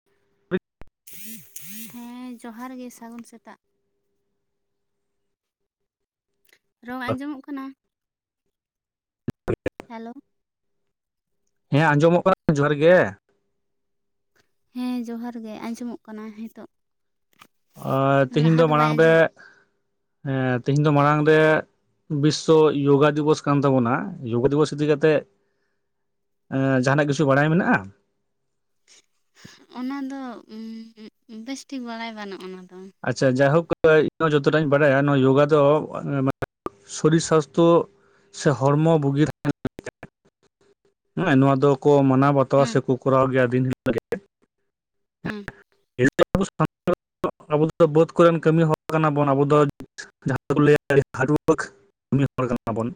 [inaudible] ᱦᱮᱸ ᱡᱚᱦᱟᱨ ᱜᱮ ᱥᱟᱹᱜᱩᱱ ᱥᱮᱛᱟᱜ᱾ ᱨᱚᱲ ᱟᱸᱡᱚᱢᱚᱜ ᱠᱟᱱᱟ? [inaudible] ᱦᱮᱞᱳ ᱦᱮᱸ ᱟᱸᱡᱚᱢᱚᱜ ᱠᱟᱱᱟ, ᱡᱚᱦᱟᱨ ᱜᱮ᱾ ᱦᱮᱸ ᱡᱚᱦᱟᱨ ᱜᱮ ᱟᱸᱡᱚᱢᱚᱜ ᱠᱟᱱᱟ ᱦᱤᱸᱛᱳᱜ᱾ ᱟᱸ ᱛᱤᱦᱤᱧ ᱫᱚ ᱢᱟᱲᱟᱝ ᱨᱮ, ᱟᱸᱡᱚᱢᱚᱜ ᱮᱸ ᱛᱤᱦᱤᱧ ᱫᱚ ᱢᱟᱲᱟᱝ ᱨᱮ ᱵᱤᱥᱥᱚ ᱭᱳᱜᱟ ᱫᱤᱵᱚᱥ ᱠᱟᱱ ᱛᱟᱵᱚᱱᱟ ᱭᱳᱜᱟ ᱫᱤᱵᱚᱥ ᱤᱫᱤ ᱠᱟᱛᱮᱫ ᱮᱸ, ᱡᱟᱸᱦᱟᱱᱟᱜ ᱠᱤᱪᱷᱩ ᱵᱟᱲᱟᱭ ᱢᱮᱱᱟᱜ-ᱟ? ᱚᱱᱟ ᱫᱚ ᱩᱸ ᱵᱮᱥᱴᱷᱤᱠ ᱵᱟᱲᱟᱭ ᱵᱟᱹᱱᱩᱜ-ᱟ ᱚᱱᱟ ᱫᱚ ᱟᱪᱪᱷᱟ ᱡᱟᱭᱦᱳᱠ ᱤᱧᱦᱚᱸ ᱡᱚᱛᱚᱴᱟᱧ ᱵᱟᱲᱟᱭᱟ ᱱᱚᱣᱟ ᱡᱳᱜᱟ ᱫᱚ ᱟ ᱢᱟ ᱥᱚᱨᱤᱨ ᱥᱟᱥᱛᱷᱚ ᱥᱮ ᱦᱚᱲᱢᱚ ᱵᱩᱜᱤ [unintelligible] ᱦᱮᱸ ᱱᱚᱣᱟ ᱫᱚᱠᱚ ᱢᱟᱱᱟᱣ ᱵᱟᱛᱟᱣᱟ ᱦᱮᱸ ᱥᱮᱠᱚ ᱠᱚᱨᱟᱣ ᱜᱮᱭᱟ ᱫᱤᱱ ᱦᱤᱞᱳᱜ ᱜᱮ᱾ ᱦᱩᱸ᱾ [unintelligible] ᱟᱵᱚ ᱫᱚ ᱵᱟᱹᱫ ᱠᱚᱨᱮᱱ ᱠᱟᱹᱢᱤ ᱦᱚᱲ ᱠᱟᱱᱟ ᱵᱚᱱ ᱟᱵᱚ ᱫᱚ ᱡᱟᱦᱟᱸ ᱫᱚᱠᱚ ᱞᱟᱹᱭᱟ ᱟᱹᱰᱤ ᱦᱟᱰᱣᱟᱨᱠ ᱠᱟᱹᱢᱤ ᱦᱚᱲ ᱠᱟᱱᱟ ᱵᱚᱱ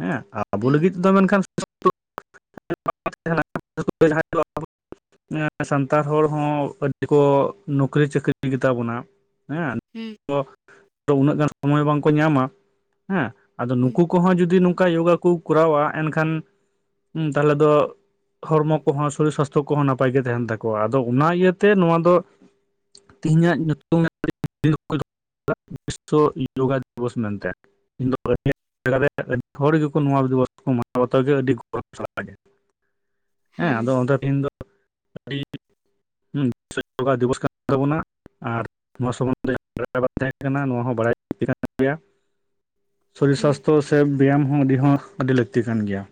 ᱦᱮᱸ᱾ ᱟᱵᱚ ᱦᱩᱸ ᱞᱟᱹᱜᱤᱫ ᱫᱚ ᱢᱮᱱᱠᱷᱟᱱ [unintelligible] [unintelligible] ᱮᱸ ᱥᱟᱱᱛᱟᱲ ᱦᱚᱲ ᱦᱚᱸ ᱟᱰ- ᱟᱰᱤ ᱠᱚ ᱱᱚᱩᱠᱨᱤ ᱪᱟᱹᱠᱨᱤᱭ ᱜᱮᱛᱟ ᱵᱚᱱᱟ ᱦᱮᱸ᱾ ᱦᱩᱸ ᱛᱚ ᱩᱱᱟᱹᱜ ᱜᱟᱱ ᱥᱚᱢᱚᱭ ᱵᱟᱝᱠᱚ ᱧᱟᱢᱟ ᱦᱮᱸ᱾ ᱟᱫᱚ ᱦᱩᱸ ᱱᱩᱠᱩ ᱠᱚᱦᱚᱸ ᱡᱩᱫᱤ ᱱᱚᱝᱠᱟ ᱭᱳᱜᱟ ᱠᱚ ᱠᱚᱨᱟᱣᱟ ᱮᱱᱠᱷᱟᱱ ᱛᱟᱦᱞᱮ ᱫᱚ ᱦᱚᱲᱢᱚ ᱠᱚᱦᱚᱸ ᱥᱚᱨᱤᱨ ᱥᱟᱥᱛᱷᱚ ᱠᱚᱦᱚᱸ ᱱᱟᱯᱟᱭ ᱜᱮ ᱛᱟᱦᱮᱱ ᱛᱟᱠᱚᱣᱟ᱾ ᱟᱫᱚ ᱚᱱᱟ ᱤᱭᱟᱹ ᱛᱮ ᱱᱚᱣᱟ ᱫᱚ ᱛᱤᱦᱤᱧᱟᱜ [unintelligible] [unintelligible] ᱭᱳᱜᱟ ᱫᱤᱵᱚᱥ ᱢᱮᱱᱛᱮ᱾ [unintelligible] ᱟᱹᱰᱤ ᱦᱚᱲ ᱜᱮᱠᱚ ᱱᱚᱣᱟ ᱫᱤᱵᱚᱥ ᱠᱚ ᱢᱟᱱᱟᱣ ᱵᱟᱛᱟᱣ ᱜᱮᱭᱟ ᱟᱹᱰᱤ ᱜᱚᱨᱚᱵᱽ ᱥᱟᱞᱟᱜ ᱜᱮ᱾ ᱦᱮᱸ ᱟᱫᱚ ᱚᱸᱰᱮ ᱛᱤᱦᱤᱧ ᱫᱚ ᱟᱹᱰᱤ ᱦᱩᱸ, ᱵᱤᱥᱥᱚ ᱡᱚᱜᱟ ᱫᱤᱵᱚᱥ ᱠᱟᱱ ᱛᱟᱵᱚᱱᱟ᱾ ᱟᱨ ᱱᱚᱣᱟ ᱥᱚᱢᱚᱱᱫᱷᱮ ᱵᱟᱲᱟᱭ ᱵᱟᱝ ᱛᱟᱦᱮᱸ ᱠᱟᱱᱟ ᱱᱚᱣᱟ ᱦᱚᱸ ᱵᱟᱲᱟᱭ ᱞᱟᱹᱠᱛᱤ ᱠᱟᱱ ᱜᱮᱭᱟ᱾ ᱥᱚᱨᱤᱨ ᱦᱩᱸ ᱥᱟᱥᱛᱷᱚ ᱥᱮ ᱵᱮᱭᱟᱢ ᱦᱚᱸ ᱟᱹᱰᱤ ᱦᱚᱸ ᱟᱹᱰᱤ ᱞᱟᱹᱠᱛᱤ ᱠᱟᱱ ᱜᱮᱭᱟ᱾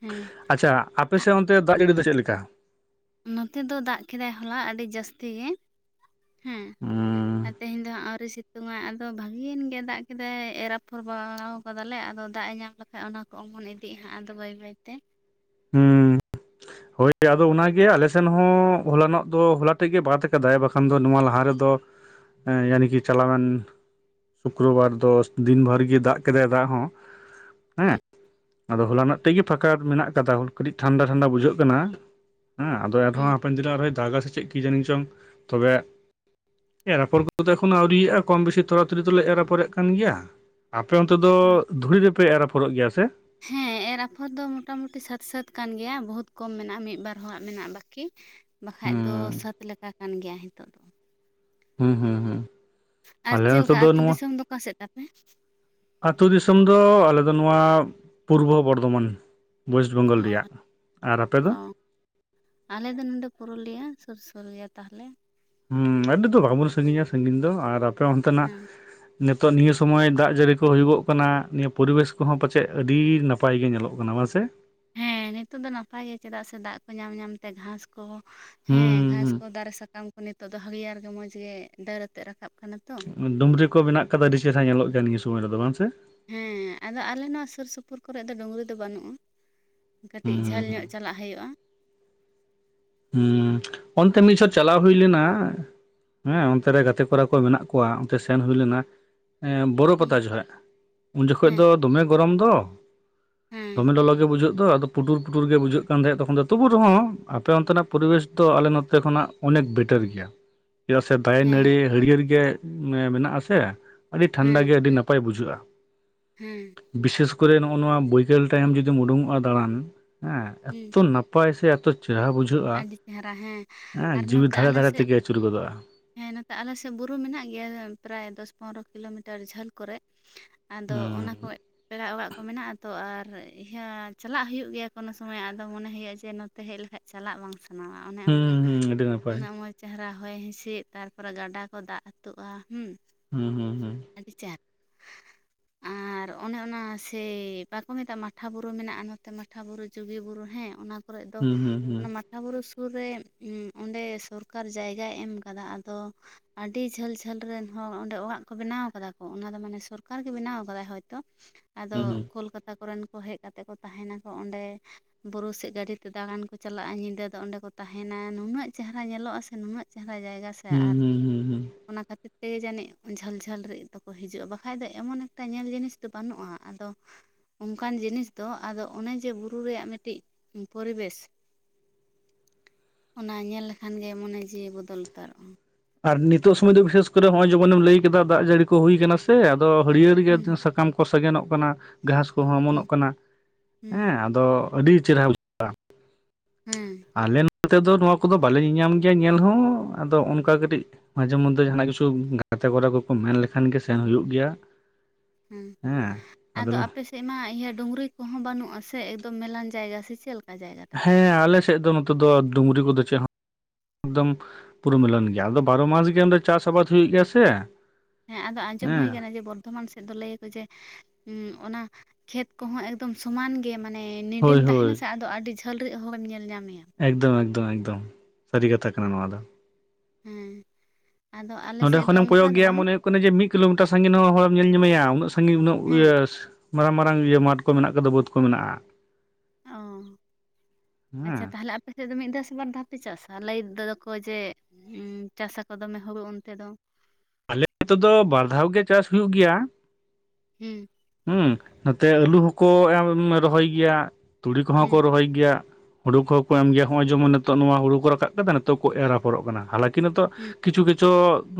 ᱦᱩᱸ᱾ ᱟᱪᱪᱷᱟ ᱟᱯᱮᱥᱮᱫ ᱚᱱᱛᱮ ᱫᱟᱜ ᱡᱟᱹᱲᱤ ᱫᱚ ᱪᱮᱫ ᱞᱮᱠᱟ? ᱱᱚᱛᱮ ᱫᱚ ᱫᱟᱜ ᱠᱮᱫᱟᱭ ᱦᱚᱞᱟ ᱟᱹᱰᱤ ᱡᱟᱹᱥᱛᱤ ᱜᱮ᱾ ᱦᱮᱸ ᱩᱸ ᱟᱨ ᱛᱮᱦᱮᱧ ᱫᱚ ᱟᱹᱣᱨᱤ ᱥᱤᱼᱼ ᱥᱤᱛᱩᱝ ᱟᱭ ᱟᱫᱚ ᱵᱷᱟᱜᱤᱭᱮᱱ ᱜᱮ ᱫᱟᱜ ᱠᱮᱫᱟᱭ ᱮᱨ ᱟᱯᱷᱚᱨ ᱵᱟᱲᱟ ᱠᱟᱫᱟᱞᱮ ᱟᱫᱚ ᱫᱟᱜ ᱮ ᱧᱟᱢ ᱞᱮᱠᱷᱟᱡ ᱚᱱᱟ᱾ ᱠᱚᱜ ᱵᱚᱱ ᱤᱫᱤᱜ ᱦᱟᱸᱜ ᱟᱫᱚ ᱵᱟᱹᱭ ᱵᱟᱹᱭ ᱛᱮ᱾ ᱦᱩᱸᱻ ᱦᱳᱭ ᱟᱫᱚ ᱚᱱᱟᱜᱮ ᱟᱞᱮᱥᱮᱱ ᱦᱚᱸ ᱦᱚᱞᱟᱱᱚᱜ ᱫᱚ ᱦᱚᱞᱟ ᱛᱮᱜ ᱜᱮ ᱵᱟᱫ ᱟᱠᱟᱫᱟᱭ ᱵᱟᱠᱷᱟᱡᱼᱼ ᱠᱷᱟᱱ ᱫᱚ ᱱᱚᱣᱟ ᱞᱟᱦᱟ ᱨᱮᱫᱚ ᱮᱭᱟᱱᱤ ᱪᱟᱞᱟᱣᱮᱱᱼᱼ ᱥᱩᱠᱨᱚᱵᱟᱨ ᱫᱚ ᱫᱤᱱ ᱵᱷᱟᱹᱨ ᱜᱮ ᱫᱟᱜ ᱠᱮᱫᱟᱭ ᱫᱟᱜ ᱦᱚᱸ᱾ ᱦᱩᱸ ᱦᱮᱸ ᱟᱫᱚ ᱦᱚᱞᱟᱱᱚᱜ ᱛᱮᱜᱮ ᱯᱷᱟᱸᱠᱟ ᱢᱮᱱᱟᱜᱼᱼ ᱠᱟᱹᱴᱤᱡ ᱴᱷᱟᱱᱰᱟ ᱴᱷᱟᱱᱰᱟ ᱵᱩᱡᱷᱟᱹᱜ ᱠᱟᱱᱟ ᱦᱮᱸ ᱟᱫᱚ ᱮᱱᱦᱚᱸᱼᱼ ᱦᱩᱸ ᱦᱟᱯᱮᱱ ᱫᱤᱱᱚᱜ ᱟᱨᱦᱚᱸᱭ ᱫᱟᱜᱟ ᱥᱮ ᱪᱮᱫ ᱠᱤ ᱡᱟᱹᱱᱤ ᱪᱚᱝ ᱛᱚᱵᱮᱼᱼ ᱮᱨ ᱟᱯᱷᱚᱨ ᱠᱚᱫᱚ ᱮᱠᱷᱚᱱᱚ ᱟᱹᱣᱨᱤᱭᱟᱜᱼᱟ ᱠᱚᱢ ᱵᱮᱥᱤ ᱛᱷᱚᱲᱟ ᱛᱷᱚᱲᱤ ᱫᱚᱞᱮ ᱮᱨ ᱟᱯᱷᱚᱨᱮᱫ ᱠᱟᱱ ᱜᱮᱭᱟ᱾ ᱟᱯᱮ ᱚᱱᱛᱮ ᱫᱚ ᱦᱳᱭ ᱫᱷᱩᱲᱤ ᱨᱮᱯᱮ ᱮᱨ ᱟᱯᱷᱚᱨᱚᱜ ᱜᱮᱭᱟ ᱥᱮ? ᱦᱮᱸ ᱮᱨ ᱟᱯᱷᱚᱨ ᱫᱚ ᱢᱳᱴᱟᱢᱩᱴᱤ ᱥᱟᱹᱛ ᱥᱟᱹᱛ ᱠᱟᱱ ᱜᱮᱭᱟ ᱵᱚᱦᱩᱫ ᱠᱚᱢ ᱢᱮᱱᱟᱜᱼᱟ ᱢᱤᱫ ᱵᱟᱨ ᱦᱚᱲᱟᱜ ᱢᱮᱱᱟᱜᱼᱟ ᱵᱟᱹᱠᱤ᱾ ᱵᱟᱠᱷᱟᱡ ᱫᱚ ᱦᱩᱸ ᱥᱟᱹᱛ ᱞᱮᱠᱟ ᱠᱟᱱ ᱜᱮᱭᱟ ᱱᱤᱛᱚᱜ ᱫᱚ᱾ ᱦᱩᱸ ᱦᱩᱸ ᱦᱩᱸ ᱟᱨ ᱟᱞᱮ ᱪᱮᱫ ᱱᱚᱛᱮ ᱞᱮᱠᱟ ᱫᱚ ᱟᱹᱛᱩ ᱫᱤᱥᱚᱢ ᱫᱚ ᱚᱠᱟ ᱥᱮᱫ ᱛᱟᱯᱮ? ᱟᱛᱩ ᱫᱤᱥᱚᱢ ᱫᱚ ᱟᱞᱮ ᱫᱚ ᱱᱚᱣᱟ ᱯᱩᱨᱵᱚ ᱵᱚᱨᱫᱷᱚᱢᱟᱱ᱾ ᱳᱭᱮᱥᱴ ᱵᱮᱝᱜᱚᱞ ᱚ ᱨᱮᱭᱟᱜ ᱟᱨ ᱟᱯᱮᱫ ᱚ ᱫᱚ? ᱟᱞᱮ ᱫᱚ ᱱᱚᱰᱮ ᱯᱩᱨᱩᱞᱤᱭᱟᱹ ᱥᱩᱨ ᱥᱩᱨ ᱜᱮᱭᱟ ᱛᱟᱦᱚᱞᱮ᱾ ᱦᱮᱸ ᱟᱹᱰᱤ ᱫᱚ ᱵᱟᱵᱚᱱ ᱥᱟᱺᱜᱤᱧᱟ ᱥᱟᱺᱜᱤᱧ ᱫᱚ ᱟᱨ ᱟᱯᱮ ᱚᱱᱛᱮᱱᱟᱜᱼᱼ ᱦᱮᱸ ᱱᱤᱛᱚᱜ ᱱᱤᱭᱟᱹ ᱥᱚᱢᱚᱭ ᱫᱟᱜ ᱡᱟᱹᱲᱤ ᱠᱚ ᱦᱩᱭᱩᱜᱚᱜ ᱠᱟᱱᱟ ᱱᱤᱭᱟᱹ ᱯᱚᱨᱤᱵᱮᱥ ᱠᱚᱦᱚᱸ ᱯᱟᱪᱮᱫ ᱟᱹᱰᱤ ᱱᱟᱯᱟᱭ ᱜᱮ ᱧᱮᱞᱚᱜ ᱠᱟᱱᱟ ᱵᱟᱝ ᱥᱮ? ᱦᱮᱸ ᱱᱤᱛᱚᱜ ᱫᱚ ᱱᱟᱯᱟᱭ ᱜᱮ ᱪᱮᱫᱟᱜ ᱥᱮ ᱫᱟᱜ ᱠᱚ ᱧᱟᱢ ᱧᱟᱢᱛᱮ ᱜᱷᱟᱸᱥ ᱠᱚᱦᱚᱸ ᱦᱩᱸ ᱦᱮᱸ ᱜᱷᱟᱸᱥᱼᱼ ᱦᱩᱸ ᱛᱚ ᱫᱟᱨᱮ ᱥᱟᱠᱟᱢ ᱠᱚ ᱱᱤᱛᱚᱜ ᱫᱚ ᱦᱟᱹᱲᱤᱭᱟᱹᱨ ᱜᱮ ᱢᱚᱡᱽ ᱜᱮ ᱰᱟᱹᱨ ᱟᱛᱮᱜ ᱨᱟᱠᱟᱵ ᱠᱟᱱᱟ ᱛᱚ᱾ ᱰᱩᱢᱨᱤ ᱠᱚ ᱢᱮᱱᱟᱜ ᱟᱠᱟᱫᱟ ᱟᱹᱰᱤ ᱪᱮᱦᱨᱟ ᱧᱮᱞᱚᱜ ᱜᱮᱭᱟ ᱱᱤᱭᱟᱹ ᱥᱳᱢᱚᱭ ᱨᱮᱫᱚ ᱵᱟᱝ ᱥᱮ? ᱦᱮᱸ ᱟᱫᱚ ᱟᱞᱮ ᱱᱚᱣᱟ ᱥᱩᱨ ᱥᱩᱯᱩᱨ ᱠᱚᱨᱮ ᱫᱚ ᱰᱩᱝᱨᱤ ᱫᱚ ᱵᱟᱹᱱᱩᱜᱼᱟ ᱠᱟᱹᱴᱤᱡ ᱦᱩᱸ ᱦᱩᱸ ᱡᱷᱟᱹᱞ ᱦᱩᱸ ᱧᱚᱜᱼᱼ ᱪᱟᱞᱟᱜ ᱦᱩᱭᱩᱜᱼᱟ᱾ ᱦᱩᱸ ᱚᱱᱛᱮ ᱢᱤᱫ ᱪᱷᱚᱴ ᱪᱟᱞᱟᱣ ᱦᱩᱭ ᱞᱮᱱᱟ, ᱦᱮᱸ ᱚᱱᱛᱮᱨᱮ ᱜᱟᱛᱮ ᱠᱚᱲᱟ ᱠᱚ ᱢᱮᱱᱟᱜ ᱠᱚᱣᱟ ᱚᱱᱛᱮ ᱥᱮᱱ ᱦᱩᱭ ᱞᱮᱱᱟ᱾ ᱵᱳᱨᱳ ᱯᱟᱛᱟ ᱡᱚᱠᱷᱚᱱ ᱩᱱ ᱡᱚᱠᱷᱚᱱ ᱦᱮᱸ ᱫᱚ ᱫᱚᱢᱮ ᱜᱚᱨᱚᱢ ᱫᱚ᱾ ᱦᱮᱸ ᱫᱚᱢᱮ ᱞᱚᱞᱚ ᱜᱮ ᱵᱩᱡᱷᱟᱹᱜ ᱫᱚ ᱟᱫᱚ ᱯᱩᱴᱩᱨ ᱯᱩᱴᱩᱨ ᱜᱮ ᱵᱩᱡᱷᱟᱹᱜ ᱠᱟᱱ ᱛᱟᱦᱮᱸᱫ ᱛᱚᱠᱷᱚᱱ ᱫᱚ ᱛᱩᱵᱩ ᱨᱮᱦᱚᱸᱼᱼ ᱟᱯᱮ ᱚᱱᱛᱮᱱᱟᱜ ᱯᱚᱨᱤᱵᱮᱥ ᱫᱚ ᱟᱞᱮ ᱱᱚᱛᱮ ᱠᱷᱚᱱᱟᱜ ᱚᱱᱮᱠ ᱵᱮᱴᱟᱨ ᱜᱮᱭᱟ᱾ ᱪᱮᱫᱟᱜ ᱥᱮ ᱫᱟᱨᱮ ᱱᱟᱹᱲᱤ ᱦᱮᱸ ᱦᱟᱹᱨᱤᱭᱟᱹᱲ ᱜᱮ ᱢᱮᱱᱟᱜ-ᱟ ᱥᱮ ᱟᱹᱰᱤ ᱴᱷᱟᱱᱰᱟ ᱜᱮ ᱟᱹᱰᱤ ᱱᱟᱯᱟᱭ ᱵᱩᱡᱷᱟᱹᱜᱼᱟ᱾ ᱦᱩᱸ ᱵᱤᱥᱮᱥ ᱠᱚᱨᱮ ᱱᱚᱜᱼᱚ ᱱᱚᱣᱟ ᱵᱚᱭᱠᱟᱹᱞ ᱴᱟᱭᱤᱢ ᱡᱩᱫᱤᱢ ᱩᱰᱩᱠᱚᱜᱼᱟ ᱫᱟᱬᱟᱱ ᱦᱮᱸ ᱦᱩᱸ ᱮᱛᱚ ᱱᱟᱯᱟᱭᱼᱼ ᱱᱟᱯᱟᱭ ᱥᱮ ᱮᱛᱚ ᱪᱮᱨᱦᱟ ᱵᱩᱡᱷᱟᱹᱜᱼᱼ ᱟᱹᱰᱤ ᱪᱮᱦᱨᱟ ᱦᱮᱸ ᱟᱨ ᱱᱚᱛᱮ ᱫᱷᱟᱨᱮ ᱟᱞᱮ ᱫᱷᱟᱨᱮ ᱥᱮᱫᱼᱼ ᱛᱮᱜᱮ ᱟᱹᱪᱩᱨ ᱜᱚᱫᱚᱜᱼᱟ ᱦᱮᱸ ᱱᱚᱛᱮ ᱟᱞᱮ ᱥᱮᱫ ᱵᱩᱨᱩ ᱢᱮᱱᱟᱜ ᱜᱮᱭᱟ ᱯᱨᱟᱭ ᱫᱚᱥ ᱯᱚᱱᱨᱚ ᱠᱤᱞᱳᱢᱤᱴᱟᱨ ᱡᱷᱟᱹᱞ ᱠᱚᱨᱮᱜᱼᱼ ᱟᱫᱚ ᱚᱱᱟ ᱦᱩᱸ ᱠᱚᱼᱼ ᱯᱮᱲᱟ ᱚᱲᱟᱜ ᱠᱚ ᱢᱮᱱᱟᱜᱼᱟ ᱛᱚ ᱟᱨ ᱤᱭᱟᱹ ᱪᱟᱞᱟᱜ ᱦᱩᱭᱩᱜ ᱜᱮᱭᱟ ᱠᱳᱱᱳ ᱥᱚᱢᱚᱭ ᱟᱫᱚ ᱢᱚᱱᱮ ᱦᱩᱭᱩᱜᱼᱟ ᱡᱮ ᱱᱚᱛᱮ ᱦᱮᱡ ᱞᱮᱠᱷᱟᱡᱼᱼ ᱪᱟᱞᱟᱜ ᱵᱟᱝ ᱥᱟᱱᱟᱣᱟ ᱚᱱᱮ ᱚᱱᱠᱟ ᱦᱩᱸ ᱦᱩᱸ ᱟᱹᱰᱤ ᱱᱟᱯᱟᱭ ᱩᱱᱟᱹᱜ ᱢᱚᱡᱽᱼᱼ ᱪᱮᱦᱨᱟ ᱦᱚᱭ ᱦᱤᱸᱥᱤᱫ ᱛᱟᱨᱯᱚᱨᱮ ᱜᱟᱰᱟ ᱠᱚ ᱫᱟᱜ ᱟᱹᱛᱩᱜᱼᱟ ᱦᱩᱸ᱾ ᱦᱩᱸ ᱦᱩᱸ ᱦᱩᱸ ᱟᱹᱰᱤ ᱪᱮᱦᱨᱟᱼᱼ [inaudible] ᱟᱨ ᱚᱱᱮ ᱚᱱᱟ ᱥᱮᱭ ᱵᱟᱠᱚ ᱢᱮᱛᱟᱜᱼᱟ ᱢᱟᱴᱷᱟ ᱵᱩᱨᱩ ᱢᱮᱱᱟᱜᱼᱟ ᱱᱚᱛᱮ ᱢᱟᱴᱷᱟ ᱵᱩᱨᱩ, ᱡᱩᱜᱤ ᱵᱩᱨᱩ ᱦᱮᱸ ᱚᱱᱟ ᱠᱚᱨᱮᱜ ᱫᱚ ᱦᱩᱸ ᱦᱩᱸ ᱦᱩᱸ ᱚᱱᱟ ᱢᱟᱴᱷᱟ ᱵᱩᱨᱩ ᱥᱩᱨ ᱨᱮ ᱚᱸᱰᱮ ᱥᱚᱨᱠᱟᱨ ᱡᱟᱭᱜᱟᱭ ᱮᱢ ᱠᱟᱫᱟ, ᱟᱫᱚ ᱟᱹᱰᱤ ᱡᱷᱟᱹᱞ ᱡᱷᱟᱹᱞ ᱨᱮᱱ ᱦᱚᱲ ᱚᱸᱰᱮ ᱚᱲᱟᱜ ᱠᱚ ᱵᱮᱱᱟᱣ ᱠᱟᱫᱟ ᱠᱚ, ᱚᱱᱟ ᱫᱚ ᱢᱟᱱᱮ ᱥᱚᱨᱠᱟᱨ ᱜᱮ ᱵᱮᱱᱟᱣ ᱠᱟᱫᱟᱭ ᱦᱚᱭᱛᱳ᱾ ᱟᱫᱚ ᱦᱩᱸ ᱦᱩᱸ ᱠᱳᱞᱠᱟᱛᱟ ᱠᱚᱨᱮᱱ ᱠᱚ ᱦᱮᱡ ᱠᱟᱛᱮ ᱠᱚ ᱛᱟᱦᱮᱱᱟᱠᱚ ᱚᱸᱰᱮ, ᱵᱩᱨᱩ ᱥᱮᱫ ᱜᱟᱹᱰᱤ ᱛᱮ ᱫᱟᱬᱟᱱ ᱠᱚ ᱪᱟᱞᱟᱜᱼᱟ ᱧᱤᱫᱟᱹ ᱫᱚ ᱚᱸᱰᱮ ᱠᱚ ᱛᱟᱸᱦᱮᱱᱟ, ᱱᱩᱱᱟᱹᱜ ᱪᱮᱦᱨᱟ ᱧᱮᱞᱚᱜᱼᱟ ᱥᱮ ᱱᱩᱱᱟᱹᱜ ᱪᱮᱦᱨᱟ ᱡᱟᱭᱜᱟ ᱥᱮ ᱦᱩᱸ ᱟᱨ ᱦᱩᱸ ᱦᱩᱸ ᱦᱩᱸ ᱚᱱᱟ ᱠᱷᱟᱹᱛᱤᱨ ᱛᱮᱜᱮ ᱡᱟᱹᱱᱤᱡ ᱡᱷᱟᱹᱞ ᱡᱷᱟᱹᱞ ᱨᱮ ᱫᱚᱠᱚ ᱦᱤᱡᱩᱜᱼᱟ ᱵᱟᱠᱷᱟᱡ ᱫᱚ ᱮᱢᱚᱱ ᱮᱠᱴᱟ ᱧᱮᱞ ᱡᱤᱱᱤᱥ ᱫᱚ ᱵᱟᱹᱱᱩᱜᱼᱟ, ᱟᱫᱚ ᱚᱱᱠᱟᱱ ᱡᱤᱱᱤᱥ ᱫᱚ ᱟᱫᱚ ᱚᱱᱮ ᱡᱮ ᱵᱩᱨᱩ ᱨᱮᱭᱟᱜ ᱢᱤᱫᱴᱤᱡ ᱯᱚᱨᱤᱵᱮᱥ ᱚᱱᱟ ᱧᱮᱞ ᱞᱮᱠᱷᱟᱱ ᱜᱮ ᱢᱚᱱᱮ ᱡᱤᱣᱤ ᱵᱚᱫᱚᱞ ᱩᱛᱟᱹᱨᱚᱜᱼᱟ᱾ ᱟᱨ ᱱᱤᱛᱚᱜ ᱥᱚᱢᱚᱭ ᱫᱚ ᱵᱤᱥᱮᱥ ᱠᱚᱨᱮ ᱱᱚᱜᱼᱚᱭ ᱡᱮᱢᱚᱱᱮᱢ ᱞᱟᱹᱭ ᱠᱮᱫᱟ ᱫᱟᱜ ᱡᱟᱹᱲᱤ ᱠᱚ ᱦᱩᱭ ᱠᱟᱱᱟ ᱥᱮ, ᱟᱫᱚ ᱦᱟᱹᱨᱭᱟᱹᱲ ᱜᱮ ᱦᱩᱸ ᱥᱟᱠᱟᱢ ᱠᱚ ᱥᱟᱜᱮᱱᱚᱜ ᱠᱟᱱᱟ, ᱜᱷᱟᱥ ᱠᱚᱦᱚᱸ ᱚᱢᱚᱱᱚᱜ ᱦᱩᱸ ᱠᱟᱱᱟ, ᱦᱩᱸ ᱦᱮᱸ ᱟ ᱫᱚ ᱟᱹᱰᱤ ᱪᱮᱨᱦᱨᱟ ᱵᱩᱡᱷᱟᱹᱜᱼᱟ᱾ ᱦᱮᱸ᱾ ᱟᱞᱮ ᱱᱚᱛᱮ ᱫᱚ ᱱᱚᱣᱟ ᱠᱚᱫᱚ ᱵᱟᱞᱮ ᱧᱮᱧᱟᱢ ᱜᱮᱭᱟ ᱧᱮᱞ ᱦᱚᱸ ᱟᱫᱚ ᱚᱱᱠᱟ ᱠᱟᱛᱮ ᱠᱟᱹᱴᱤᱡ ᱢᱟᱡᱷᱮ ᱢᱚᱫᱽᱫᱷᱮ ᱡᱟᱦᱟᱸᱱᱟᱜ ᱠᱤᱪᱷᱩ ᱜᱟᱛᱮ ᱠᱚᱲᱟ ᱠᱚᱠᱚ ᱢᱮᱱ ᱞᱮᱠᱷᱟᱱ ᱜᱮ ᱥᱮᱱ ᱦᱩᱭᱩᱜᱜᱮᱭᱟ᱾ ᱦᱩᱸ ᱟᱫᱚ ᱟᱯᱮ ᱥᱮᱫᱢᱟ ᱤᱭᱟᱹ ᱰᱩᱝᱨᱤ ᱠᱚᱦᱚᱸ ᱵᱟᱹᱱᱩᱜᱼᱟ ᱥᱮ ᱮᱠᱫᱚᱢ ᱢᱮᱞᱟᱟᱱ ᱡᱟᱭᱜᱟ ᱥᱮ ᱪᱮᱫ ᱞᱮᱠᱟ? ᱡᱟᱭᱜᱟ ᱛᱟᱯᱮ ᱦᱮᱸ ᱟᱞᱮ ᱥᱮᱫ ᱫᱚ ᱱᱚᱛᱮ ᱫᱚ ᱰᱩᱝᱨᱤ ᱠᱚᱫᱚ ᱪᱮᱫ ᱦᱚᱸ ᱮᱠᱫᱚᱢ ᱯᱩᱨᱤᱢᱤᱞᱚᱱ ᱜᱮᱭᱟ ᱟᱫᱚ ᱵᱟᱨᱚ ᱢᱟᱥ ᱜᱮᱰᱮ ᱪᱟᱥ ᱟᱵᱟᱫ ᱦᱩᱭᱩᱜᱭ ᱜᱮᱭᱟ ᱥᱮ ᱦᱮᱸ ᱟᱫᱚ ᱟᱸᱡᱚᱢ ᱦᱩᱭ ᱦᱮᱸ ᱠᱟᱱᱟ ᱡᱮ ᱵᱚᱨᱫᱷᱚᱢᱟᱱ ᱥᱮᱫ ᱫᱚ ᱞᱟᱹ ᱟᱠᱚ ᱡᱮ ᱩᱸ ᱚᱱᱟ ᱠᱷᱮᱛ ᱠᱚᱦᱚᱸ ᱮᱠᱫᱚᱢ ᱥᱚᱢᱟᱱ ᱜᱮ ᱢᱟᱱᱮ ᱦᱳᱭ ᱱᱤᱰᱤᱢ ᱛᱟᱸᱦᱮᱱᱟ ᱦᱳᱭ ᱥᱮ ᱟᱫᱚ ᱟᱹᱰᱤ ᱡᱷᱟᱹᱞ ᱨᱟᱹ ᱦᱚᱲᱮᱢ ᱧᱮᱞ ᱧᱟᱢᱮᱭᱟ᱾ ᱮᱠᱫᱚᱢ ᱮᱠᱫᱚᱢ ᱮᱠᱫᱚᱢ ᱥᱟᱹᱨᱤ ᱠᱟᱛᱷᱟ ᱠᱟᱱᱟ ᱱᱚᱣᱟ ᱫᱚ᱾ ᱦᱮᱸ ᱟᱫᱚ ᱱᱚᱸᱰᱮ ᱟᱞᱮᱥᱮᱫ ᱫᱚ ᱠᱷᱚᱱᱮᱢ ᱚᱱᱠᱟ ᱠᱚᱭᱚᱜ ᱫᱚ ᱜᱮᱭᱟ ᱵᱟᱝ ᱢᱚᱱᱮ ᱦᱩᱭᱩᱜ ᱠᱟᱱᱟ ᱡᱮ ᱢᱤᱫ ᱠᱤᱞᱳᱢᱤᱴᱟᱨ ᱥᱟᱜᱤᱧ ᱦᱚᱸ ᱦᱚᱲᱢ ᱧᱮᱞᱟᱢᱮᱭᱟ ᱩᱱᱟᱹᱜ ᱥᱟᱜᱤᱧ ᱩᱱᱟᱹᱜ ᱦᱮᱸ ᱤᱭᱟᱹ ᱢᱟᱨᱟᱝ ᱢᱟᱨᱟᱝ ᱤᱭᱟᱹ ᱢᱟᱴᱷ ᱠᱚ ᱢᱮᱱᱟᱜ ᱠᱟᱫᱟ ᱵᱟᱹᱫᱽ ᱠᱚ ᱢᱮᱱᱟᱜᱼᱟ᱾ ᱚ, ᱟᱪᱪᱷᱟ ᱦᱮᱸ ᱛᱟᱦᱚᱞᱮ ᱟ ᱯᱮ ᱥᱮᱫ ᱫᱚ ᱢᱤᱫ ᱫᱚᱥ ᱵᱟᱨ ᱫᱷᱟᱣ ᱯᱮ ᱪᱟᱥᱟ ᱞᱟᱹᱭ ᱫᱟᱠᱚ ᱡᱮ ᱩᱸ ᱪᱟᱥᱟᱚ ᱫᱚᱢᱮ ᱦᱳᱲᱳ ᱚᱱᱛᱮ ᱫᱚ᱾ ᱟᱞᱮ ᱱᱚᱛᱮ ᱫᱚ ᱵᱟᱨ ᱫᱷᱟᱣ ᱜᱮ ᱪᱟᱥ ᱦᱩᱭᱩᱜᱭ ᱜᱮᱭᱟ᱾ ᱦᱩᱸ᱾ ᱦᱩᱸ ᱱᱚᱛᱮ ᱟᱹᱞᱩ ᱦᱚᱸᱠᱚ ᱨᱚᱦᱚᱭ ᱜᱮᱭᱟ, ᱛᱩᱲᱤ ᱠᱚᱦᱚᱸ ᱦᱩᱸ ᱠᱚ ᱨᱚᱦᱚᱭ ᱜᱮᱭᱟ᱾ ᱦᱩᱲᱩ ᱠᱚᱦᱚᱸ ᱮᱢ ᱜᱮᱭᱟ ᱦᱚᱸᱜᱼᱚᱭ ᱡᱮᱢᱚᱱ ᱱᱤᱛᱚᱜ ᱱᱚᱣᱟ ᱦᱩᱲᱩ ᱨᱟᱠᱟᱵ ᱠᱟᱛᱮᱫᱟ ᱱᱤᱛᱚᱜ ᱠᱚ ᱮᱨᱯᱚᱨᱚᱜ ᱠᱟᱱᱟᱟᱠ ᱱᱤᱛᱚᱜ ᱦᱩᱸ ᱠᱤᱪᱷᱩ ᱠᱤ ᱪᱚ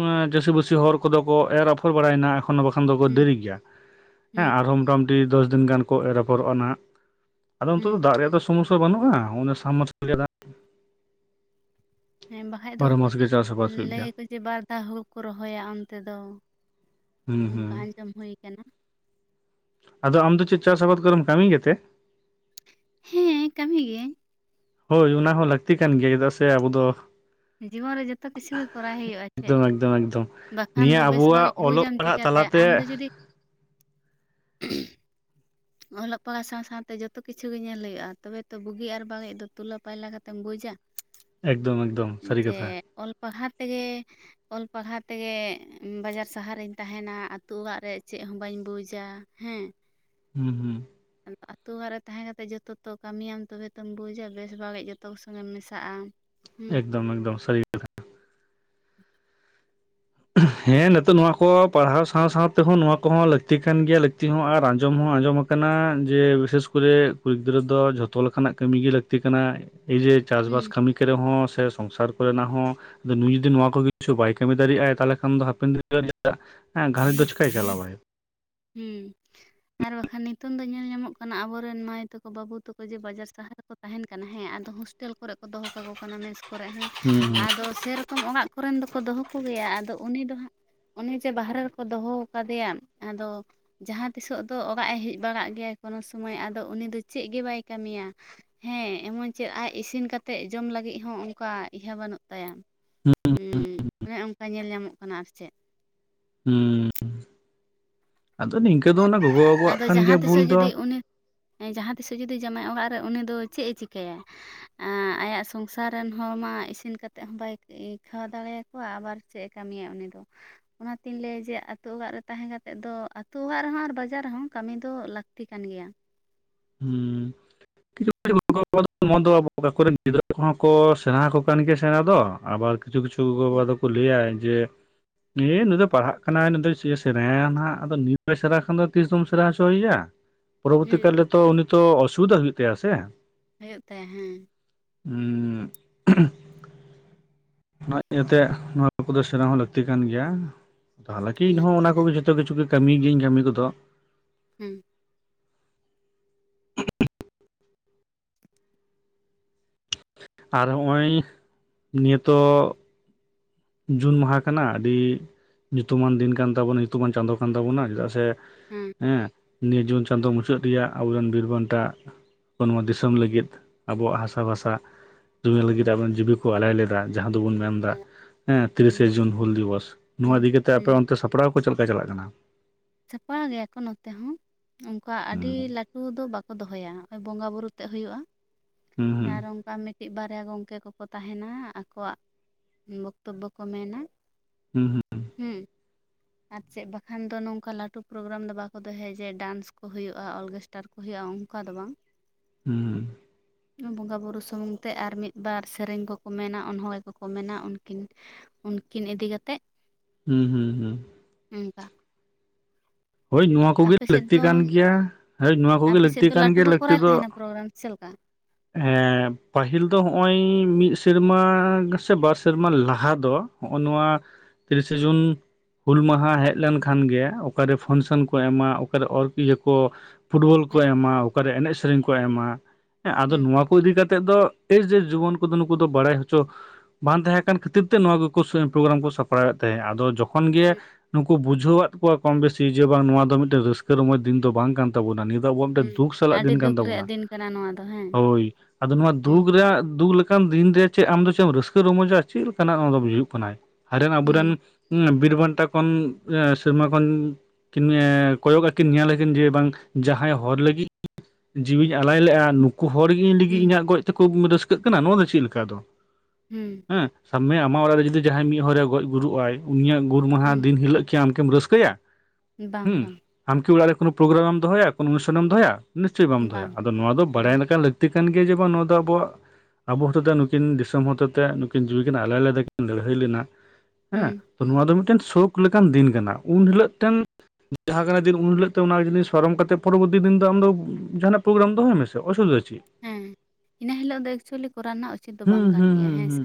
ᱟᱸ ᱪᱟᱹᱥᱤᱵᱟᱹᱥᱤ ᱦᱚᱲ ᱠᱚᱫᱚ ᱠᱚ ᱮᱨ ᱟᱯᱷᱚᱨ ᱵᱟᱲᱟᱭᱮᱱᱟ ᱮᱠᱷᱚᱱ ᱵᱟᱠᱷᱟᱱ ᱫᱚᱠᱚ ᱦᱩᱸ ᱫᱮᱨᱤ ᱜᱮᱭᱟ᱾ ᱦᱮᱸ ᱦᱩᱸ ᱟᱨᱦᱚᱸ ᱢᱚᱴᱟ ᱢᱩᱴᱤ ᱫᱚᱥ ᱫᱤᱱ ᱜᱟᱱ ᱠᱚ ᱮᱨᱚᱯᱚᱨᱚᱜᱼᱟ ᱱᱟᱦᱟᱸᱜ ᱟᱫᱚ ᱚᱱᱛᱚ ᱦᱩᱸ ᱛᱚ ᱫᱟᱜ ᱨᱮᱭᱟᱜ ᱫᱚ ᱥᱚ ᱥᱚᱢᱚᱥᱥᱟ ᱵᱟᱹᱱᱩᱜᱼᱟ, ᱚᱱ ᱥᱟᱵᱢᱟᱨᱥᱟᱞ ᱨᱮᱭᱟᱜ ᱫᱟᱜ ᱦᱮᱸ ᱵᱟᱠᱷᱟᱱ ᱫᱚ ᱵᱟᱨᱚ ᱢᱟᱥ ᱜᱮ ᱪᱟᱥ ᱟᱵᱟᱫ ᱦᱩᱭᱩᱜ ᱜᱮᱭᱟ ᱞᱟᱹᱭᱟᱠᱚ ᱡᱮ ᱵᱟᱨ ᱫᱷᱟᱣ ᱦᱩᱲᱩ ᱠᱚ ᱨᱚᱦᱚᱭᱟ ᱚᱱᱛᱮ ᱫᱚ, ᱦᱩᱸ ᱚᱱᱠᱟ ᱦᱩᱸ ᱟᱸᱡᱚᱢ ᱦᱩᱭ ᱠᱟᱱᱟ᱾ ᱟᱫᱚ ᱟᱢ ᱫᱚ ᱪᱮᱫ ᱪᱟᱥ ᱟᱵᱟᱫ ᱠᱚᱨᱮᱢ ᱠᱟᱹᱢᱤ ᱜᱮᱛᱮ? ᱦᱮᱸ ᱠᱟᱹᱢᱤ ᱜᱤᱭᱟᱹᱧ᱾ ᱦᱳᱭ ᱚᱱᱟ ᱦᱚᱸ ᱞᱟᱹᱠᱛᱤ ᱠᱟᱱ ᱜᱮᱭᱟ ᱪᱮᱫᱟᱜ ᱥᱮ ᱟᱵᱚ ᱫᱚ ᱡᱤᱵᱚᱱ ᱨᱮ ᱡᱚᱛᱚ ᱠᱤᱪᱷᱩ ᱜᱮ ᱠᱚᱨᱟᱣ ᱦᱩᱭᱩᱜᱼᱟ ᱪᱮᱫ ᱮᱠᱫᱚᱢ ᱮᱠᱫᱚᱢ ᱮᱠᱫᱚᱢ, ᱵᱟᱠᱷᱟᱱ ᱱᱤᱭᱟᱹ ᱫᱚ ᱵᱮᱥ ᱟᱵᱚᱣᱟᱜ ᱵᱟᱹᱲᱤᱡ ᱚᱞᱚᱜ ᱵᱩᱡᱟᱢ ᱯᱟᱲᱦᱟᱜ ᱪᱤᱠᱟᱹᱛᱮ ᱛᱟᱞᱟᱛᱮ ᱟᱢ ᱫᱚ ᱡᱩᱫᱤ ᱚᱞᱚᱜ ᱯᱟᱲᱦᱟᱣ ᱥᱟᱶᱛᱮ ᱥᱟᱶᱛᱮ ᱡᱚᱛᱚ ᱠᱤᱪᱷᱩ ᱜᱮ ᱧᱮᱞ ᱦᱩᱭᱩᱜᱼᱟ, ᱛᱚᱵᱮ ᱛᱚ ᱵᱩᱜᱤ ᱟᱨ ᱵᱟᱜᱮᱡ ᱫᱚ ᱛᱩᱞᱟᱹ ᱯᱟᱭᱞᱟ ᱠᱟᱛᱮᱢ ᱵᱩᱡᱟ᱾ ᱮᱠᱫᱚᱢ ᱮᱠᱫᱚᱢ ᱥᱟᱹᱨᱤ ᱡᱮ ᱠᱟᱛᱷᱟ᱾ ᱚᱞ ᱯᱟᱲᱦᱟᱣ ᱛᱮᱜᱮ ᱚᱞ ᱯᱟᱲᱦᱟᱣ ᱛᱮᱜᱮ ᱵᱟᱡᱟᱨ ᱥᱟᱦᱟᱨᱤᱧ ᱛᱟᱦᱮᱱᱟ ᱟᱛᱳ ᱚᱲᱟᱜ ᱨᱮ ᱪᱮᱫ ᱦᱚᱸ ᱵᱟᱹᱧ ᱵᱩᱡᱟ ᱦᱮᱸ᱾ ᱦᱩᱸ ᱦᱩᱸ᱾ ᱟᱫᱚ ᱟᱛ ᱚᱲᱟᱜ ᱨᱮ ᱛᱟᱦᱮᱸ ᱠᱟᱛᱮᱫ ᱡᱚᱛᱚ ᱠᱟᱹᱢᱤᱭᱟᱢ ᱛᱚᱵᱮ ᱛᱚᱢ ᱵᱩᱡᱟ ᱵᱮᱥ ᱵᱟᱹᱲᱤᱡ ᱡᱚᱛᱚ ᱠᱚ ᱥᱜᱮᱢ ᱢᱮᱥᱟᱜᱼᱟ᱾ ᱦᱩᱸ ᱮᱠᱫᱚᱢ ᱮᱠᱫᱚᱢ ᱥᱟᱹᱨ ᱠᱟᱛᱷᱟ ᱦᱮᱸ ᱱᱤᱛᱚᱜᱜ ᱱᱚᱣᱟ ᱠᱚ ᱯᱟᱲᱦᱟᱣ ᱥᱟᱶ ᱥᱟᱶ ᱛᱮᱦᱚᱸ ᱱᱚᱣᱟ ᱠᱚᱦᱚᱸ ᱞᱟᱹᱠᱛᱤ ᱠᱟᱱ ᱜᱮᱭᱟ ᱞᱟᱹᱠᱛᱤ ᱦᱚᱸ ᱟᱨ ᱟᱸᱡᱚᱢ ᱦᱚᱸ ᱟᱸᱡᱚᱢ ᱠᱟᱱᱟ ᱡᱮ, ᱵᱤᱥᱮᱥ ᱠᱚᱨᱮ ᱠᱩᱲᱤ ᱜᱤᱫᱽᱨᱟᱹ ᱫᱚ ᱡᱷᱚᱛᱚ ᱞᱮᱠᱟᱱᱟᱜ ᱠᱟᱹᱢᱤ ᱜᱮ ᱞᱟᱹᱠᱛᱤ ᱠᱟᱱᱟ, ᱮᱭ ᱡᱮ ᱪᱟᱥᱵᱟᱥ ᱦᱩᱸ ᱠᱟᱹᱢᱤ ᱠᱚᱨᱮ ᱦᱚᱸ ᱥᱮ ᱥᱚᱝᱥᱟᱨ ᱠᱚᱨᱮᱱᱟᱜ ᱦᱚᱸ ᱟᱫᱚ ᱱᱩᱭ ᱡᱩᱫᱤ ᱱᱚᱣᱟ ᱠᱚ ᱠᱤᱪᱷᱩ ᱵᱟᱭ ᱠᱟᱹᱢᱤ ᱫᱟᱲᱮᱭᱟᱜᱼᱟ ᱛᱟᱦᱚᱞᱮ ᱠᱷᱟᱱ ᱫᱚ ᱦᱟᱯᱮᱱ ᱫᱤᱱ ᱨᱮᱭᱟᱜ ᱮ ᱜᱷᱨᱚᱡᱽ ᱫᱚ ᱪᱤᱠᱟᱹᱭᱟᱭ ᱪᱟᱞᱟᱣᱟᱭ? ᱦᱩᱸ ᱟᱨ ᱵᱟᱠᱷᱟᱱ ᱱᱤᱛᱚᱝ ᱫᱚ ᱧᱮᱞ ᱧᱟᱢᱚᱜ ᱠᱟᱱᱟ ᱟᱵᱚᱨᱮᱱ ᱢᱟᱹᱭ ᱛᱟᱠᱚ, ᱵᱟᱹᱵᱩ ᱛᱟᱠᱚ ᱡᱮ ᱵᱟᱡᱟᱨ ᱥᱟᱦᱟᱨ ᱠᱚ ᱛᱟᱦᱮᱱ ᱠᱟᱱᱟ ᱦᱮᱸ ᱟᱫᱚ ᱦᱳᱥᱴᱮᱞ ᱠᱚᱨᱮ ᱠᱚ ᱫᱚᱦᱚ ᱠᱟᱠᱚ ᱠᱟᱱᱟ ᱢᱮᱥ ᱠᱚᱨᱮ ᱦᱚᱸ, ᱦᱩᱸ ᱦᱩᱸ᱾ ᱟᱫᱚ ᱥᱮᱨᱚᱠᱚᱢ ᱚᱲᱟᱜ ᱠᱚᱨᱮᱱ ᱫᱚᱠᱚ ᱫᱚᱦᱚ ᱠᱚᱜᱮᱭᱟ ᱟᱫᱚ ᱩᱱᱤ ᱫᱚ ᱦᱟᱸᱜ ᱩᱱᱤ ᱡᱮ ᱵᱟᱦᱨᱮ ᱨᱮᱠᱚ ᱫᱚᱦᱚ ᱠᱟᱫᱮᱭᱟ, ᱟᱫᱚ ᱡᱟᱦᱟᱸ ᱛᱤᱥᱚᱜ ᱫᱚ ᱚᱲᱟᱜ ᱮ ᱦᱮᱡ ᱵᱟᱲᱟᱜ ᱜᱮᱭᱟ ᱠᱳᱱᱳ ᱥᱚᱢᱚᱭ ᱟᱫᱚ ᱩᱱᱤ ᱫᱚ ᱪᱮᱫ ᱜᱮ ᱵᱟᱭ ᱠᱟᱹᱢᱤᱭᱟ᱾ ᱦᱮᱸ ᱮᱢᱚᱱ ᱪᱮᱫ ᱟᱡ ᱤᱥᱤᱱ ᱠᱟᱛᱮᱫ ᱡᱚᱢ ᱞᱟᱹᱜᱤᱫ ᱦᱚᱸ ᱚᱱᱠᱟ ᱤᱭᱟᱹ ᱵᱟᱹᱱᱩᱜ ᱛᱟᱭᱟ᱾ ᱦᱩᱸ ᱚᱱᱮ ᱚᱱᱠᱟ ᱧᱮᱞ ᱧᱟᱢᱚᱜ ᱠᱟᱱᱟ ᱟᱨ ᱪᱮᱫ᱾ ᱦᱩᱸ᱾ ᱟᱫᱚ ᱱᱤᱝᱠᱟᱹ ᱫᱚ ᱚᱱᱟ ᱜᱚᱜᱚᱼᱵᱟᱵᱟᱣᱟᱜ ᱠᱟᱱ ᱜᱮᱭᱟ ᱵᱷᱩᱞ ᱫᱚ᱾ ᱮᱸ ᱡᱟᱦᱟᱸ ᱛᱤᱥᱮ ᱡᱩᱫᱤ ᱡᱟᱶᱟᱭ ᱚᱲᱟᱜ ᱨᱮ ᱩᱱᱤ ᱫᱚ ᱪᱮᱫ ᱮ ᱪᱤᱠᱟᱹᱭᱟ? ᱟᱸᱻ ᱟᱭᱟᱜ ᱥᱚᱝᱥᱟᱨ ᱨᱮᱱ ᱦᱚᱲ ᱢᱟ ᱤ ᱤᱥᱤᱱ ᱠᱟᱛᱮᱮᱫ ᱦᱚᱸ ᱵᱟᱭ ᱟᱹᱭᱠᱟᱹᱣ ᱫᱟᱲᱮᱭᱟᱠᱚᱣᱟ ᱟᱵᱟᱨ ᱪᱮᱫ ᱮ ᱠᱟᱹᱢᱤᱭᱟ ᱩᱱᱤ ᱫᱚ᱾ ᱚᱱᱟᱛᱤᱧ ᱞᱟᱹᱭ ᱡᱮ ᱟᱹᱛᱩ ᱚᱲᱟᱜ ᱨᱮ ᱛᱟᱦᱮᱸ ᱠᱟᱛᱮᱫ ᱫᱚ, ᱟᱹᱛᱩ ᱚᱲᱟᱜ ᱨᱮᱦᱚᱸ ᱟᱨ ᱵᱟᱡᱟᱨ ᱨᱮᱦᱚᱸ ᱠᱟᱹᱢᱤ ᱫᱚ ᱞᱟᱹᱠᱛᱤ ᱠᱟᱱ ᱜᱮᱭᱟ᱾ ᱦᱩᱸᱻ ᱠᱤᱪᱷᱩ ᱠᱪᱷᱩ ᱜᱚᱜᱚᱼᱵᱟᱵᱟ ᱫᱚ ᱟᱵᱚ ᱟᱠᱚᱨᱮᱱ ᱜᱤᱫᱽᱨᱟᱹ ᱠᱚᱦᱚᱸ ᱠᱚ ᱥᱮᱬᱟ ᱟᱠᱚ ᱠᱟᱱ ᱜᱮᱭᱟ ᱥᱮᱬᱟ ᱫᱚ, ᱟᱵᱟᱨ ᱠᱤᱪᱷᱩ ᱠᱤᱪᱷᱩ ᱜᱚᱜᱚ ᱦᱩᱸ ᱵᱟᱵᱟ ᱫᱚᱠᱚ ᱞᱟᱹᱭᱟ ᱡᱮ ᱮ ᱱᱩᱭ ᱫᱚ ᱯᱟᱲᱦᱟᱜ ᱠᱟᱱᱟᱭ ᱱᱩᱭ ᱫᱚ ᱪᱮᱫ ᱮ ᱥᱮᱬᱟᱼᱟ ᱱᱟᱦᱟᱸᱜ, ᱟᱫᱚ ᱱᱤᱛ ᱵᱟᱭ ᱥᱮᱬᱟ ᱠᱷᱟᱱ ᱫᱚ ᱛᱤᱥ ᱫᱚᱢ ᱥᱮᱬᱟ ᱦᱚᱪᱚᱭᱮᱭᱟ? ᱯᱚᱨᱚᱵᱚᱨᱛᱤ ᱠᱟᱞ ᱦᱩᱸ ᱨᱮᱛᱚ ᱩᱱᱤ ᱛᱚ ᱚᱥᱩᱵᱤᱫᱷᱟ ᱦᱩᱭᱩᱜ ᱛᱟᱭᱟ ᱥᱮ? ᱦᱩᱭᱩᱜ ᱛᱟᱭᱟ ᱦᱮᱸ᱾ ᱩᱸᱜ᱾ ᱱᱚᱣᱟ ᱤᱭᱟᱹᱛᱮ ᱱᱚᱣᱟ ᱠᱚᱫᱚ ᱥᱮᱬᱟ ᱦᱚᱸ ᱞᱟᱹᱠᱛᱤ ᱠᱟᱱ ᱜᱮᱭᱟ᱾ ᱛᱟᱦᱚᱞᱮ ᱠᱤ ᱤᱧ ᱦᱚᱸ ᱞᱟᱹᱠᱛᱤ ᱚᱱᱟ ᱠᱟᱱ ᱠᱚᱜᱮ ᱡᱷᱚᱛᱚ ᱠᱤᱪᱷᱩ ᱜᱮ ᱠᱟᱹᱢᱤ ᱜᱤᱭᱟᱹᱧ ᱠᱟᱹᱢᱤ ᱠᱚᱫᱚ᱾ ᱦᱩᱸ᱾ ᱟᱨ ᱦᱚᱸᱜᱼᱚᱭ ᱱᱤᱭᱟᱹ ᱛᱚ ᱡᱩᱱ ᱢᱟᱦᱟ ᱠᱟᱱᱟ ᱟᱹᱰᱤ ᱧᱩᱛᱩᱢᱟᱱ ᱫᱤᱱ ᱠᱟᱱ ᱛᱟᱵᱚᱱᱟ, ᱧᱩᱛᱩᱢᱟᱱ ᱪᱟᱸᱫᱳ ᱠᱟᱱ ᱛᱟᱵᱚᱱᱟ ᱪᱮᱫᱟᱜ ᱥᱮ ᱦᱮᱸ ᱱᱤᱭᱟᱹ ᱡᱩᱱ ᱪᱟᱸᱫᱳ ᱢᱩᱪᱟᱹᱫ ᱨᱮᱭᱟᱜ ᱟᱵᱚᱨᱮᱱ ᱵᱤᱨ ᱵᱟᱱᱴᱟ ᱟᱵᱚ ᱱᱚᱣᱟ ᱫᱤᱥᱚᱢ ᱞᱟᱹᱜᱤᱫ ᱟᱵᱚᱣᱟᱜ ᱦᱟᱥᱟ ᱵᱷᱟᱥᱟ ᱡᱩᱢᱤ ᱞᱟᱹᱜᱤᱫ ᱟᱵᱮᱱ ᱡᱤᱣᱤ ᱠᱚ ᱟᱞᱟᱭ ᱞᱮ ᱫᱟ ᱡᱟᱦᱟᱸ ᱫᱚᱵᱚᱱ ᱢᱮᱱ ᱫᱟ, ᱛᱤᱨᱤᱥᱮ ᱦᱩᱸ ᱡᱩᱱ ᱦᱩᱞ ᱫᱤᱵᱚᱥ, ᱱᱚᱣᱟ ᱦᱩᱸ ᱤᱫᱤ ᱠᱟᱛᱮ ᱟᱯᱮ ᱦᱩᱸ ᱚᱱᱛᱮ ᱥᱟᱯᱲᱟᱣ ᱠᱚ ᱪᱮᱫ ᱞᱮᱠᱟ ᱪᱟᱞᱟᱜ ᱠᱟᱱᱟ? ᱥᱟᱯᱲᱟᱣ ᱜᱮᱭᱟ ᱠᱚ ᱱᱚᱛᱮ ᱦᱚᱸ, ᱩᱱᱚᱱᱠᱟ ᱟᱹᱰᱤ ᱦᱩᱸ ᱞᱟᱹ ᱴᱩ ᱫᱚ ᱵᱟᱠᱚ ᱫᱚᱦᱚᱭᱟ ᱵᱚᱸᱜᱟ ᱵᱩᱨᱩ ᱛᱮᱫ ᱦᱩᱭᱩᱜᱼᱟ, ᱦᱩᱸ ᱟᱨ ᱚᱝ ᱠᱟ ᱢᱤᱫᱴᱤᱡ ᱵᱟᱨᱭᱟ ᱜᱚᱢᱠᱮ ᱠᱚᱠᱚ ᱛᱟᱦᱮᱱᱟ ᱟᱠᱚᱣᱟᱜ ᱵᱚᱠᱛᱚᱵᱵᱚ ᱠᱚ ᱢᱮᱱᱟ᱾ ᱦᱩᱸ ᱦᱩ᱾ ᱦᱮᱸ᱾ ᱟᱨ ᱪᱮᱫ ᱵᱟᱠᱷᱟᱱ ᱫᱚ ᱱᱚᱝᱠᱟ ᱞᱟᱹᱴᱩ ᱯᱨᱳᱜᱨᱟᱢ ᱫᱚ ᱵᱟᱠᱚ ᱫᱚᱦᱚᱭᱟ ᱡᱮ ᱰᱟᱱᱥ ᱠᱚ ᱦᱩᱭᱩᱜᱼᱟ? ᱚᱨᱜᱮᱥᱴᱟᱨ ᱠᱚ ᱦᱩᱭᱩᱜᱼᱟ, ᱚᱱᱠᱟ ᱫᱚ ᱵᱟᱝ᱾ ᱦᱩᱸ᱾ ᱵᱚᱸᱜᱟ ᱵᱩᱨᱩ ᱥᱩᱢᱩᱝ ᱛᱮ ᱟᱨ ᱢᱤᱫ ᱵᱟᱨ ᱥᱮᱨᱮᱧ ᱠᱚᱠᱚ ᱢᱮᱱᱟ, ᱚᱱᱚᱲᱦᱮ ᱠᱚᱠᱚ ᱢᱮᱱᱟ, ᱩᱱᱠᱤᱱ ᱩᱱᱠᱤᱱ ᱤᱫᱤ ᱠᱟᱛᱮᱫ ᱦᱩᱸ ᱦᱩᱸ ᱦᱩᱸ᱾ [unintelligible] ᱦᱳᱭ, ᱱᱚᱣᱟ ᱠᱚᱜᱮ ᱟᱯᱮ ᱥᱮᱫ ᱞᱟᱹᱠᱛᱤ ᱫᱚ ᱠᱟᱱ ᱜᱮᱭᱟ᱾ ᱦᱳᱭ ᱱᱚᱣᱟ ᱠᱚᱜᱮ ᱟᱯᱮ ᱥᱮᱫ ᱞᱟᱹᱠᱛᱤ ᱫᱚ ᱠᱟᱱ ᱞᱟᱹᱴᱩ ᱜᱮᱭᱟ, ᱠᱚ ᱞᱟᱹᱠᱛᱤ ᱠᱚᱨᱟᱣ ᱫᱚ ᱛᱟᱦᱮᱱᱟ ᱯᱨᱳᱜᱨᱟᱢ ᱪᱮᱫ ᱞᱮᱠᱟ ᱦᱮᱸ ᱯᱟᱹᱦᱤᱞ ᱫᱚ ᱦᱚᱜᱼᱚᱭ ᱢᱤᱫ ᱥᱮᱨᱢᱟ ᱥᱮ ᱵᱟᱨ ᱥᱮᱨᱢᱟ ᱞᱟᱦᱟ ᱫᱚ ᱦᱚᱜᱼᱚᱭ ᱱᱚᱣᱟ ᱛᱤᱨᱤᱥᱮ ᱡᱩᱱ ᱦᱩᱞ ᱢᱟᱦᱟ ᱦᱮᱡ ᱞᱮᱱᱠᱷᱟᱱ ᱜᱮ ᱚᱠᱟᱨᱮ ᱯᱷᱚᱱᱥᱮᱱ ᱠᱚ ᱮᱢᱟ, ᱚᱠᱟᱨᱮ ᱚᱨ ᱤᱭᱟᱹ ᱠᱚ ᱯᱷᱩᱴᱵᱚᱞ ᱠᱚ ᱦᱩᱸ ᱮᱢᱟ, ᱚᱠᱟᱨᱮ ᱮᱱᱮᱡ ᱥᱮᱨᱮᱧ ᱠᱚ ᱮᱢᱟ, ᱟᱫᱚ ᱦᱩᱸ ᱱᱚᱣᱟ ᱠᱚ ᱤᱫᱤ ᱤᱫᱤ ᱠᱟᱛᱮᱫ ᱫᱚ ᱡᱮ ᱡᱩᱣᱚᱱ ᱠᱚᱫᱚ ᱱᱩᱠᱩ ᱫᱚ ᱵᱟᱲᱟᱭ ᱦᱚᱪᱚ ᱵᱟᱝ ᱛᱟᱦᱮᱸ ᱠᱟᱱ ᱠᱷᱟᱹᱛᱤᱨ ᱛᱮ ᱱᱚᱣᱟ ᱠᱚ ᱯᱨᱳᱜᱨᱟᱢ ᱠᱚ ᱥᱟᱯᱲᱟᱣᱮᱫ ᱛᱟᱦᱮᱸᱫ ᱟᱫᱚ ᱡᱚᱠᱷᱚᱱ ᱛᱚᱠᱷᱚᱱ ᱜᱮ ᱦᱩᱸ ᱱᱩᱠᱩ ᱵᱩᱡᱷᱟᱹᱣᱟᱫ ᱠᱚᱣᱟ ᱠᱚᱢ ᱵᱮᱥᱤ ᱡᱮ ᱵᱟᱝ ᱱᱚᱣᱟ ᱫᱚ ᱢᱤᱫᱴᱮᱱ ᱨᱟᱹᱥᱠᱟᱹ ᱨᱚᱢᱚᱡᱽ ᱫᱤᱱ ᱫᱚ ᱵᱟᱝ ᱛᱟᱠᱚᱣᱟ᱾ ᱱᱤᱭᱟᱹ ᱫᱚ ᱟᱵᱚᱣᱟᱜ ᱦᱩᱸ ᱫᱩᱠ ᱥᱟᱞᱟᱜ ᱟᱹᱰᱤ ᱫᱤᱱ ᱠᱟᱱ ᱫᱩᱠ ᱨᱮᱭᱟᱜ ᱛᱟᱵᱚᱱᱟ᱾ ᱫᱤᱱ ᱠᱟᱱᱟ ᱱᱚᱣᱟ ᱫᱚ ᱦᱮᱸ ᱦᱳᱭ ᱟᱫᱚ ᱱᱚᱣᱟ ᱦᱩᱸ ᱫᱩᱠ ᱨᱮᱭᱟᱜ ᱫᱩᱠ ᱞᱮᱠᱟ ᱚᱱᱠᱟᱱ ᱫᱤᱱ ᱨᱮ ᱪᱮᱫ ᱟᱢ ᱫᱚ ᱪᱮᱫ ᱮᱢ ᱨᱟᱹᱥᱠᱟᱹ ᱨᱚᱢᱚᱡᱟ? ᱪᱮᱫ ᱞᱮᱠᱟᱱᱟᱜ ᱱᱚᱭᱟ ᱫᱚ ᱦᱩᱭᱩᱜ ᱠᱟᱱᱟᱭ ᱠᱟᱱᱟ? ᱦᱮᱱ ᱟᱵᱚᱨᱮᱱ ᱦᱩᱸ ᱦᱮᱸ ᱵᱤᱨ ᱵᱟᱱᱴᱟ ᱠᱷᱚᱱ ᱮ ᱥᱮᱨᱢᱟ ᱠᱷᱚᱱ ᱠᱤᱱ ᱢᱮ ᱠᱚᱭᱼᱚᱜ ᱟᱠᱤᱱ ᱧᱮᱞ ᱞᱟᱠᱤᱱ ᱡᱮ ᱵᱟᱝ ᱡᱟᱦᱟᱸᱭ ᱦᱚᱨ ᱞᱟᱹᱜᱤᱫ ᱡᱤᱣᱤᱧ ᱟᱞᱟᱭ ᱞᱮᱜᱼᱟ, ᱱᱩᱠᱩ ᱦᱚᱲ ᱜᱤ ᱤᱧ ᱞᱤᱹᱜᱤᱫ ᱦᱩᱸ ᱤᱧᱟᱜ ᱜᱚᱡ ᱛᱟᱹᱠᱩ ᱨᱟᱹᱥᱠᱟᱹᱜ ᱠᱟᱱᱟ, ᱱᱚᱣᱟ ᱫᱚ ᱪᱮᱫ ᱞᱮᱠᱟ? ᱟᱫᱚ ᱦᱩᱸ᱾ ᱦᱮᱸ ᱥᱟᱵᱽ ᱢᱮ ᱟᱢᱟᱜ ᱚᱲᱟᱜ ᱨᱮ ᱡᱩᱫᱤ ᱡᱟᱦᱟᱸᱭ ᱢᱤᱫ ᱦᱚᱲᱮ ᱜᱚᱡ ᱜᱩᱨᱩᱜ ᱟᱭ ᱩᱱᱤᱭᱟᱜ ᱜᱩᱨ ᱢᱟᱦᱟ ᱦᱩᱸ ᱫᱤᱱ ᱦᱤᱞᱟᱹᱜ ᱠᱤ ᱟᱢᱠᱤᱢ ᱨᱟᱹᱥᱠᱟᱹᱭᱼᱟ? ᱵᱟᱝ, ᱵᱟᱝ᱾ ᱟᱢᱠᱤ ᱚᱲᱟᱜ ᱨᱮ ᱯᱨᱳᱜᱨᱟᱢᱮ ᱫᱚᱦᱚᱭᱟ? ᱠᱚᱱᱩᱥᱷᱮᱢ ᱫᱚᱦᱚᱭᱟ? ᱱᱤᱥᱪᱚᱭ ᱵᱟᱢ ᱫᱚᱭᱟ, ᱵᱟᱝ ᱟᱫᱚ ᱱᱚᱣᱟ ᱫᱚ ᱵᱟᱲᱟᱭ ᱵᱟᱝ ᱞᱮᱠᱟᱱ ᱞᱟ. ᱠᱛᱤ ᱞᱟᱹᱠᱛᱤ ᱠᱟᱱ ᱜᱮᱭᱟ ᱡᱮ ᱟᱵᱚ ᱟᱜ ᱱᱚᱣᱟ ᱫᱚ ᱟᱵᱚᱣᱟᱜ ᱟᱵᱚ ᱦᱚᱛᱮ ᱛᱮ ᱱᱩᱠᱤᱱ ᱫᱤᱥᱚᱢ ᱦᱚᱛᱮ ᱛᱮ ᱱᱩᱠᱤᱱ ᱡᱤᱣᱤᱠᱤᱱ ᱟᱞᱟᱭ ᱟᱠᱤᱱ ᱞᱟᱹᱲᱦᱟᱹᱭ ᱞᱮᱱᱟ ᱦᱩᱸ ᱦᱮᱸ, ᱱᱚᱣᱟ ᱫᱚ ᱢᱤᱫᱴᱮᱱ ᱥᱳᱠ ᱞᱮᱠᱟᱱ ᱫᱤᱱ ᱠᱟᱱᱟ ᱩᱱ ᱦᱤᱞᱳ ᱴᱮᱱ ᱡᱟᱦᱟᱸᱜᱟᱨᱟ ᱫᱤᱱ ᱩᱱ ᱦᱤᱞᱳᱜ ᱛᱮ ᱚᱱᱟ ᱡᱤᱱᱤᱥ ᱥᱚᱨᱚᱨᱚᱢ ᱠᱟᱛᱮ ᱯᱚᱨᱚᱵᱚᱨ ᱫᱤᱱ ᱫᱚ ᱟᱢ ᱫᱚ ᱡᱟᱦᱟᱱᱟᱜ ᱯᱨᱳᱜᱨᱟᱢ ᱫᱚᱦᱚᱭ ᱢᱮ ᱥᱮ ᱚᱥᱩᱣᱤᱫᱷᱟ ᱪᱮᱫ? ᱦᱮᱸ, ᱤᱱᱟᱹ ᱦᱤᱞᱳᱜ ᱫᱚ ᱮᱠᱪᱩᱭᱮᱞᱤ ᱠᱚᱨᱟᱣ ᱨᱮᱱᱟᱜ ᱩᱪᱤᱛ ᱫᱚ ᱦᱩᱸ ᱵᱟᱝ ᱠᱟᱱ ᱦᱩᱸ ᱜᱮᱭᱟ ᱦᱩᱸ ᱦᱮᱸ ᱦᱩᱸ ᱥᱮ?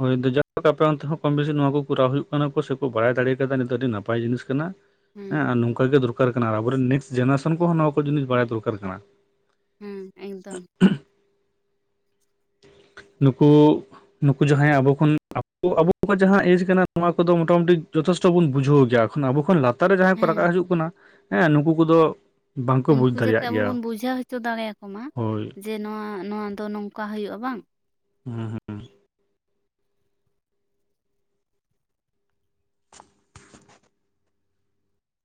ᱦᱳᱭ ᱫᱚ ᱡᱟ ᱟᱯᱮ ᱚᱱᱛᱮ ᱦᱚᱸ ᱠᱚᱢ ᱵᱮᱥᱤ ᱱᱚᱣᱟ ᱠᱚᱨᱟᱣ ᱦᱩᱭᱩᱜ ᱠᱟᱱᱟ, ᱠᱚ ᱥᱮᱠᱚ ᱵᱟᱲᱟᱭ ᱫᱟᱲᱮ ᱠᱟᱫᱟ ᱱᱤ ᱫᱚ ᱟᱹᱰᱤ ᱱᱟᱯᱟᱭ ᱡᱤᱱᱤᱥ ᱠᱟᱱᱟ ᱦᱮᱸ ᱟᱨ ᱱᱚᱝᱠᱟ ᱜᱮ ᱫᱚᱨᱠᱟᱨ ᱠᱟᱱᱟ ᱟᱨ ᱟᱵᱚᱨᱮᱱ ᱱᱮᱠᱥᱴ ᱡᱮᱱᱟᱨᱮᱥᱚᱱ ᱠᱚ ᱦᱚᱸ ᱱᱚᱣᱟ ᱠᱚ ᱡᱤᱱᱤᱥ ᱵᱟᱲᱟᱭ ᱫᱚᱨᱠᱟᱨ ᱠᱟᱱᱟ᱾ ᱦᱮᱸ ᱮᱠᱫᱚᱢ᱾ ᱱᱩᱸᱠᱩ ᱱᱩᱠᱩ ᱡᱟᱦᱟᱸᱭᱟᱜ ᱟᱵᱚ ᱠᱷᱚᱱ ᱟᱵᱚᱣᱟᱜ ᱡᱟᱦᱟᱸ ᱮᱡᱽ ᱠᱟᱱᱟ ᱱᱚᱣᱟ ᱚᱫᱚ ᱢᱚᱴᱟᱢᱩᱴᱤ ᱡᱚᱴᱷᱮᱥᱴ ᱥᱴᱚ ᱵᱩᱱ ᱵᱩᱡᱷᱟᱹᱣ ᱜᱮᱭᱟ᱾ ᱟᱵᱚ ᱠᱷᱚᱱ ᱞᱟᱛᱟᱨ ᱨᱮ ᱡᱟᱦᱟᱸᱭ ᱠᱚ ᱦᱮᱸ ᱨᱟᱠᱟᱵ ᱦᱤᱡᱩᱜ ᱠᱟᱱᱟ ᱦᱮᱸ ᱱᱩᱠᱩ ᱠᱚ ᱫᱚ ᱩᱱᱠᱩ ᱡᱟᱛᱮ ᱟᱵᱚ ᱵᱩᱱ ᱵᱩᱡᱷᱟᱹᱣ ᱦᱚᱪᱚ ᱫᱟᱲᱮᱭᱟ ᱠᱚᱢᱟ ᱦᱳᱭ ᱡᱮ ᱱᱚᱣᱟ ᱱᱚᱣᱟ ᱫᱚ ᱱᱚᱝᱠᱟ ᱦᱩᱭᱩᱜᱼᱟ ᱵᱟᱝ? ᱦᱮᱸᱻᱦᱮᱸ᱾